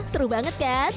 seru banget kan